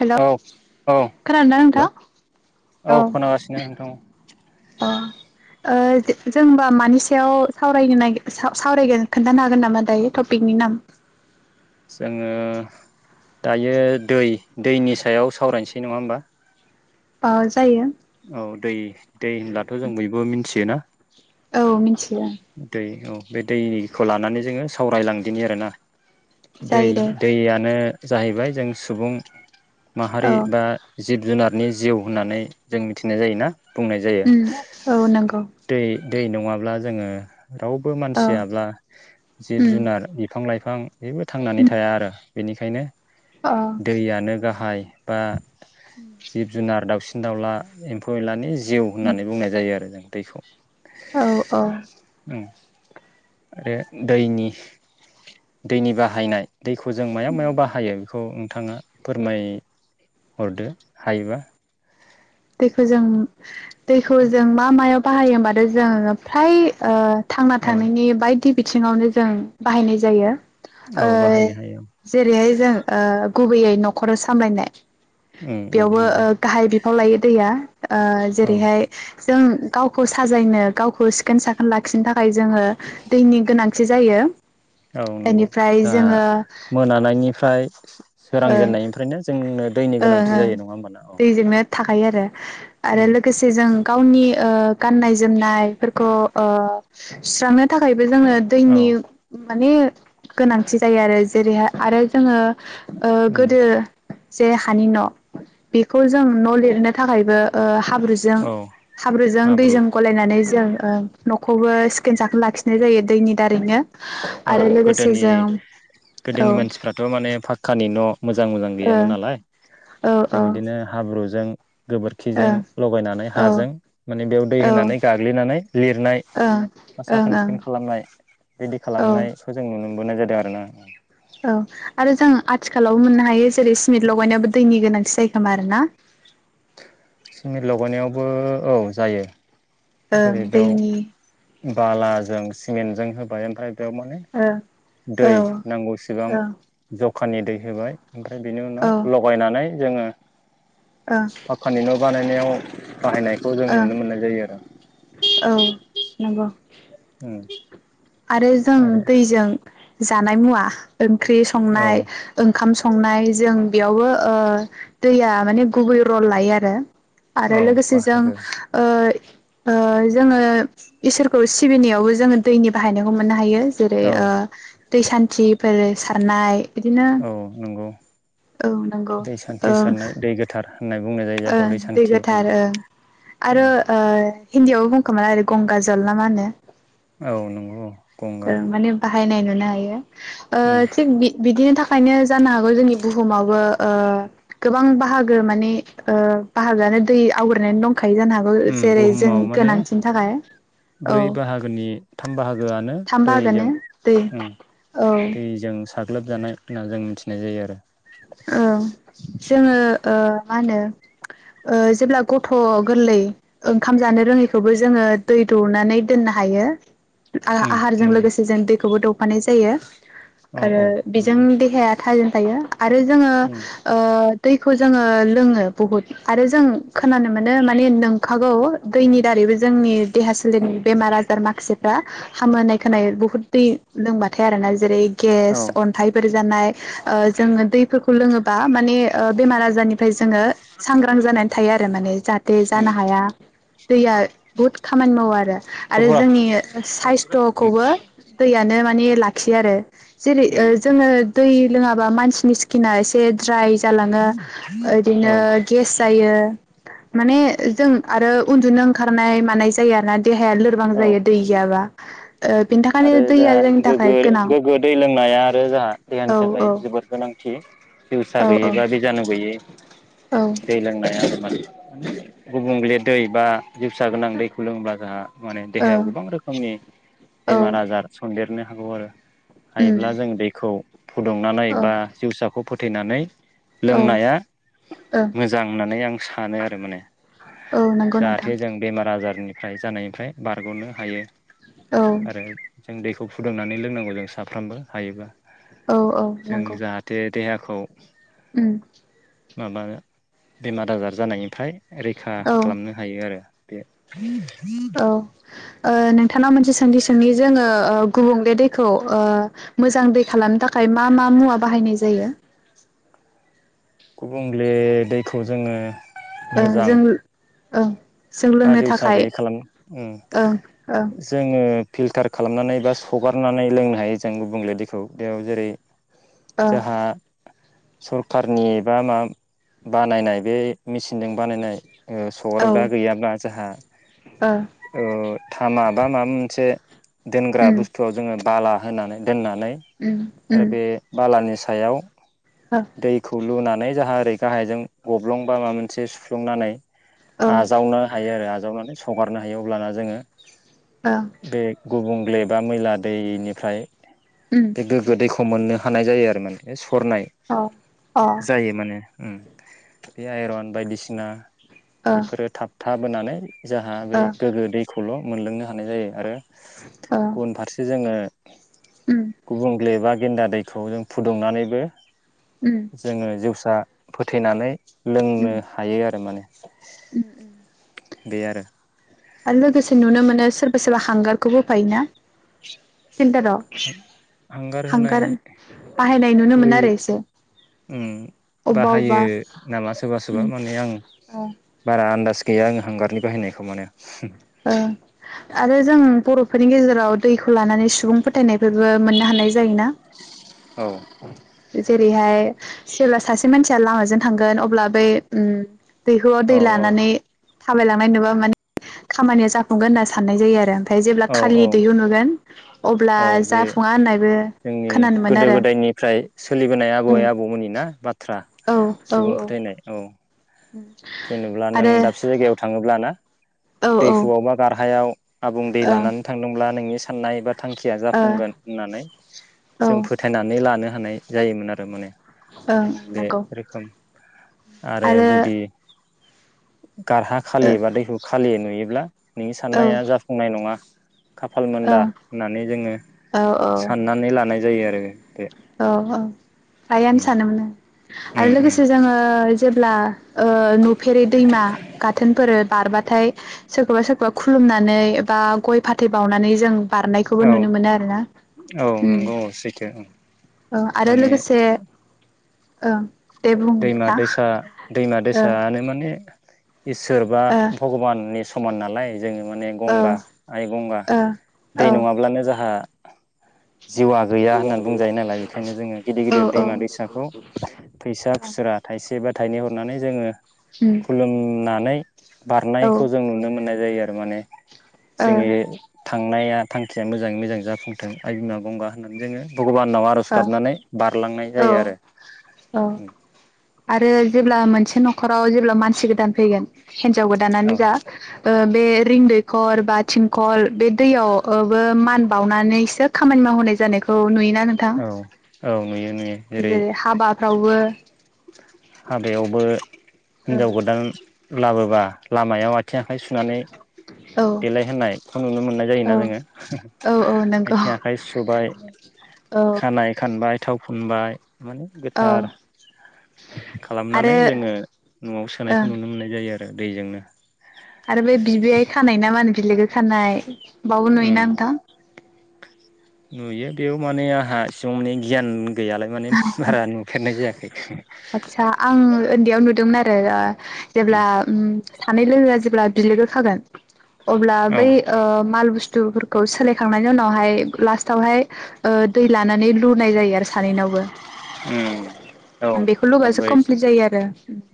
हेल' औ औ खोनादोंना हेल' नोंथां? औ खोनागासिनो नोंथां। [unintelligible] अ ओ जोंदा मानि सायाव सावरायनो नायगिर सा साव सावरायगोन खोनथानो हागोन नामा दायो टपिकनि नाम? जोङो दायो दै दैनि सायाव सावरायनोसै नङा होमबा? बा जायो। औ दै दै होनब्लाथ' जों बयबो मिथियोना। औ मिनथि दैे औ बे दैखौ लानानै जोङो सावरायलांदिनि आरोना। दै जायो दे दैयानो जाहैबाय जों सुबुं औ माहारि बा जिब- जुनार। नि जिउ होननानै जों मिथिनाय जायोना। बुंनाय जायो ओम औ नंगौ। दै दै नङाब्ला जोङो रावबो औ मानसियाब्ला उम जिब-जुनार, बिफां-लाइफां फां बेबो थांनानै थाया आरो। बेनिखायनो अ दैयानो गाहाइ बा जिब-जुनार' दाउसिन दावला, एम्फौ-एनलानि जिउ होननानै बुंनाय जायो आरो जों। दैखौ औ औ ओम आरो दैनि दैनि बाहायनाय दैखौ जों मायाव मायाव बाहायो बेखौ नोंथाङा फोरमायहरदो हायोबा? दैखौ जों दैखौ जों मा मायाव बाहायो होमबाथाय जोंङो फ्राय ओ थांना औ थानायनि बायदि बिथ थिङावनो जों बाहायनाय जायो। ओ औ बाहायनो हायो औ जेरैहाय जों ओ गुबैयै न'खर सामलायनाय उम उम बेयावबो नंगौ ओ गाहाय बिफाव लायो। दा ओ औ जेरैहाय जों गावखौ साजायनो गावखौ सिखोन-साखोन लाखिनो थाखाय जोङो दैनि गोनांथि जायो। औ नंगौ बेनिफ्राय जोंहा जोङो सोरां ओ जेननायनिफ्रायनो जोंनो दैनि गोनांथि ओ जायो नङा होमबाना औ दैजोंनो थाखायो आरो उम आरो लोगोसे जों गावनि ओ गाननाय-जोमनायफोरखौ ओ सुस्रांनो थाखाय बो जोंनो औ दैनि माने गोनांथि जायो आरो जेरैहाय आरो जोङो ओ उम गोदो जे हानि न' बेखौ जों न' लिरनो थाखायबो ओ हाब्रुजों औ हाब्रुजों हाब्रु दैजों गलायनानै जों ओ न'खौबो सिखोन-साखोन लाखिनाय जायो दैनि दारैनो। औ आरो लोगोसे गोदोनि जों औ गोदोनि मानसिफ्राथ' माने फा खानि न' मोजां मोजां ओ गैयामोन नालाय औ ओ औ जों बिदिनो हाब्रु जों गोबोरखिजों लगायनानै ओं हाजों माने बेयाव दै ओं होनानै गाग्लिनानै लिरनाय बा ओं ओं साखोन-सिखोन खालामनाय बिदि औ खालामनायखौ जों मोनबोनाय जादों आरो ना। औ आरो जों आथिखालावबो मोननो हायो जेरै सिमेन्ट लगायनायावो दैनि गोनांथि जायो खोमा आरो ना। सिमेट लगानायावबो औ जायो। ओं जेरै बेयाव दैनि बालाजों सिमेन्टजों होबाय ओमफ्राय बेयाव माने ओ औ दै नांगौ सिबां औ ज खानि दै होबाय ओमफ्राय बेनि उनाव लगायनानै जोंङो औ फाखानि न' बानायनायाव बाहायनायखौ जों ओ नुनो मोननाय जायो आरो औ नंगौ ओं आरो जों दैजों जानाय मुवा ओंख्रि औ संनाय ओंखाम संनाय संनाय जों बेयावबो ओ दैया माने गुबै रल लायो आरो आरो औ लोगोसे जों बाहागो ओ जोंङो इसोरखौ सिबिनायावबो जोंङो दैनि बाहायखौ मोन हायो जेरै औ दै सान्थिफोर सारनाय बिदिनो औ नंगौ औ नंगौ दै सान्थि सारनाय दै गोथार होननाय बुंनाय जायो ओ जायखौ दै सान्थि औ गोथार ओं आरो हिन्दीयावबो बुंखोमा ओरो गंगाजल ना मा होनो औ नंगौ ओं गंगा माने बाहायनाय नुनो हायो उम ओ थि बि बिदिनो थाखाय बेनो जानो हागौ जोंनि बुहुमावबो ओ गोबां बाहागो माने ओ बाहागोआनो दै आवग्रिनानै दं खायो जानो हागौ उम जेरै जों बुहुमाव माने गोनांथिनि थाखाय औ ब्रै बाहागोनि थाम बाहागोआनो थाम बाहागोआनो दैजों दै ओम औ दैजों साग्लोबजानाय होनना जों मिथिनाय जायो आरो औ जोङो ओ। मा होनो? जेब्ला गथ' गोरलै ओंखाम जानो रोङैखौबो जोङो दै दौनानै दोननो हायो। उम आहारजों नंगौ लोगोसे जों दैखौबो द फानाय जायो। औ आरो औ बेजों नंगौ देहाया थाजिम थायो। जोङो उम ओ दैखौ जोङो लोङो बुहुत, आरो जों खोनानो मोनो माने नंखागौ दैनि दारैबो जोंनि देहा सोलेरनि बेमार आजार माखासेफ्रा हामोनाय खोनाय। बुहुद दै लोंबाथाय आरोना जेरै औ गेस अन्थाइफोर जानाय ओ जोङो दैफोरखौ लोङोबा माने ओ बेमार आजारनिफ्राय जोङो सांग्रां जानानै थायो आरो माने जाहाथे उम जानो हाया, दैया बुहुत खामानि मावो आरो आरो खरफरा जोंनि उम साइस्थ'खौबो दैयनो मानिे लाखियो आरो। जेरै उम जोङो दै लोङाबा माने बिनि स्किना एसे द्राय जालाङो बिदिनो औ गेस जायो। माने जों आरो उन्दुनो ओंखारनाय मानाय जायो आरो ना। देहाया लोरबां औ जायो दै गैयाबा। ओ बेनि आरो थाखायनो जोंहा दैया जोंनि थाखाय गोगो गोनां गोग्गो दै लोंनाया आरो जोंहा औ देहानि औ थाखाय जोबोद गोनां। ए औ जिउसा गैयि बा बिजानु गोयै। औ दै लोंनाया। गुबुंले दै बा जिउसा गोनां दैखौ लोंब्ला जोंहा माने औ देहायाव गोबां रोखोमनि औ बेमार आजार। देरनो हागौ आरो। उम हायोब्ला जों बेखौ फुदुंनानै औ बा जिउसा खौ फोथैनानै औ लोंनाया औ मोजां होननानै आं सानो आरो माने। औ नंगौ नोंथां। जाहाथे जों [unintelligible] जानायनिफ्राय बारग'नो हायो औ आरो जों दैखौ फुदुंनानै लोंनांगौ जों साफ्रोमबो हायोबा औ औ नंगौ। खौ उम माबा बेमार आजार जानायनिफ्राय रैखा औ खालामनो हायो आरो [inaudible] औ ओ नों नोंथांनाव मोनसे सोंथि सोंनि जोङो ओ गुबुंले दैखौ ओ मोजां दै खालामनो थाखाय मा मा मुवा बाहायनाय जायो? गुबुंले दैखौ जोङो ओ जों औ। बाजिउसा गैयि खालामो ओ ओं ओं जोङो फिलटार खालामनानै बा सगारनानै लोंनो हायो जों गुबुंले दैखौ दैयाव जेरै - ओ जोंहा सरखारनि बा मा बानायनाय बे मेसिनजों बानायनाय ओ सोहरग्रा औ गैयाब्ला जोंहा ओ ओ थामा बा मा मोनसे दोनग्रा उम बुस्थुआव जोङो बाला होननानै दोनना नै उम उम आरो बे बालानि सायाव ओ दैखौ लुना नै जोहा ओरै गाहायजों गब्लंबा माबा मोनसे सुफ्लंनानै औ ओ आजावनो हायो आरो आजावनानै हगारनो हायो अब्लाना जोङो बे गुबुं ब्लेबा मैला दैनिफ्राय उम बे गोगो दैखौ खौ मोननो हानाय जायो आरो माने हरनाय अ जायो माने ओम बे आइरन बायदिसिना ओ बेफोरो थाब थाबोनानै जाहा बे ओ गोगो दैखौ खौल' मोनलोंनो हानाय जायो आरो ओ गुबुन फारसे जोङो उम गुबुंले बा गेन्दा दैखौ जों फुदुंनानैबो उम जोङो जेवसा फोथैनानै लोंनो हायो आरो माने अ उम उम बे आरो आरो लोगोसे नुनो मोनो सोरबा सोरबा हांगारखौ होफायो ना? हां-हांगार होनाय बाहायनाय नुनो मोनो होइ आरो एसे उम अबबा अबबा बाहायो नामा सोरबा सोरबा उम माने आं ओ बारा आन्दाज गैया आं हांगारनि बाहायनायखौ माने ओ आरो जों बर'फोरनि गेजे राव दैखौ लानानै सुबुं फोथायनायफोरबो मोननो हानाय ज जायोना? औ जेरैहाय सेरबा सासे मानसिया लामाजों थांगोन अब्ला बै उम दैहुआव दै औ औ लानानै थाबायलांनाय नुबा माने खामानिया जाफुंगोन होनना सान्नाय जायो आरो नाथाय जेब्ला औ खालि औ दैहु नुगोन अब्ला औ बे जाफुङा होननायबो जोंनि खोनानो मोनो गोदो आरो गोदायनिफ्राय सोलिबोनाय आबै आबौमोननि ना बाथ्रा औ औ सुबुं फोथायनाय औ। जेनेब्ला नों आरो दाबसे जायगायाव थाङोब्ला ना? औ औ दैहुआवबा गारहायाव आबुं दै ओं लानानै थांदोंब्ला नोंनि साननाय बाथ थांखिया ओ जाफुंगोन होननानै औ जों फोथायनानै लानो हानाय जायोमोन आरो माने ओं बे नंगौ रोखोम [inaudible] आरो जुदि गारहा खालि एबा दैहु खा नुयोब्ला नोंनि ओ औ साननाया जाफुंनाय नङा खाफाल मोनदा ओं होननानै जोङो औ साननानै लानाय जायो आरो बे औ औ आइआनो सानोमोन ओ आरो उम उम उम लोगोसे जोङो जेब्ला ओ नुफेरै दैमा गाथोनफोर बारबाथाय सोरखौबा सोरखौबा खुलुमनानै एबा गय फाथै बावनानै जों बारनायखौबो औ नुनो मोनो आरो ना औ नंगौ औ सैथो ओं औ आरो माने लोगोसे ओ दैमा दैसा दैमा ओ दैसायानो माने इसोर बा ओ भगबाननि समान नालाय जोङो माने ओ गंगा आइ गंगा दै ओ नङाब्लानो जाहा जिउआ गैया होननानै बुंजायो नालाय बेखायनो जोङो गिदिर औ गिदिर औ दैमा दैसाखौ फैसा खुस्रा थाइसेबा थाइनै हरनानै जोङो उम खुलुमनानै औ ओ बारनायखौ जों नुनो मोननाय जायो आरो माने जोङनि थांनाया थांखिया मोजाङै मोजां जाफुंथों आइ बिमा गंगा होननानै जोङो भगबानाव आरज गाबनानै बारलांनाय ओ जायो आरो औ आरो जेब्ला मोनसे न'खराव जेब्ला मानसि गोदान फैगोन हिन्जाव औ गोदानानो जा ओ आरोबे रिंदैखर बा थिंखल बे दैयाव ओबो मान बावनानैसो खामानि मावहोनाय जानायखौ नुयोना? थां औ औ नुयो नुयो जेरै हाबाफ्रावबो हाबायावबो हिनजाव गोदान लाबोबा लामायाव आथिं आखाइ सुनानै औ देलाय होननायखौ नुनो मोननाय जायोना जोङो औ औ नंगौ आथिं आखाइ सुबाय औ खानाय खानबाय थाव फुनबाय माने गोथार आरो खालामनानै जोङो न'आव ओं सोनायखौ नुनो मोननाय जायो आर रो दैजोंनो आरो बे बिबैयाय खानाय ना मा होनो? बिलोगो खानाय उम बावबोनुयोना नोंथां? नुयो बेयाव माने आंहा एसेबां माने गियान गैयालाय माने बारा नुफेरनाय जायाखै। आदसा आं उन्दैयाव [unintelligible] जेब्ला उम सानै लोगोआ जेब्ला बिलोगो खागोन अब्ला औ बै ओ माल बुस बुस्थुफोरखौ सोलायखांनायनि उनावहाय लास्टावहाय ओ दै लानानै लुनाय जायो आरो सानैनाव। बो उम औ बेखौ लुबासो आंबो एसे कमप्लिट जायो आरो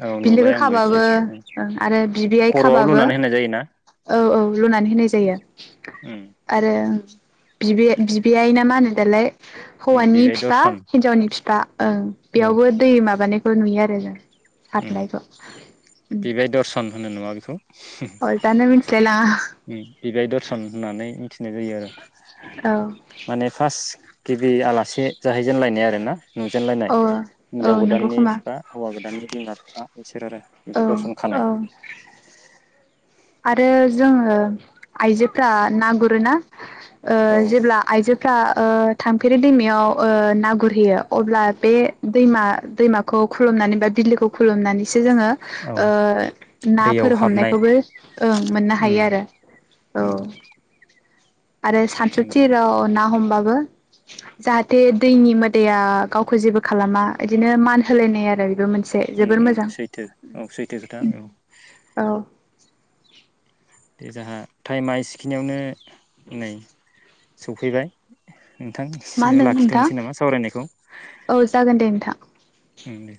औ नुबाय बिलोगो आंबो एसे खाबाबो एसे ओ आरो बिबैयाइ खर'आव खाबाबो लुनानै होनाय जायोना औ औ। लुनानै होनाय जायो उम आरो ओं बिबैयाय बिबैयाय नामा होनो दालाय उम हौवानि बिबाय फिफा दर्शन हिनजावनि फिफा ओं औ बेयावबो दै माबानाय बो नुयो आरो जों। उम सारनायखौ बिबियाय दर्शन होनो नामा बेखौ? अलटानो मिथिलाय लाङा। उम बिबाय दरसन होननानै मि थिनाय जायो आरो औ माने फास गिबि आलासि जाहैजेनलायनाय आरो ना? नुजेनलायनाय औ औ हिनजाव नंगौ गोदाननि खोमा बिफा हौवा गोदाननि [unintelligible] बिसोर आरो बि औ बे दरसन खानाय। औ आरो जोङो आइजोफ्रा ना गुरोना? ओ औ जेब्ला आइजोफ्रा ओ थांफेरि दैमायाव ओ ना गुरहैयो अब्ला बे दैमा दैमाखौ खुलुमनानै बा बिलोखौ खुलुमनानैसो जोङो औ ओ दैयाव नाफोर हाबनाय हमनायखौबो ओं मोननो उम हायो आरो औ। उम [inaudible] आरो सानसु नंगौ थिराव ना हम बाबो जाहाथे दैनि मोदाया गावखौ जेबो खालामा इदिनो मान होलायनाय आरो बेबो मोन उम उम सैथो औ सैथो खोथा औ। औ दे जाहा टाइमा एसिखिनियावनो नै सौफैबाय। नोंथां मा सिं आव होनदों नोंथां लाखिथ'नोसै नामा सावरायनायखौ? औ जागोन दे नोंथां उम दे।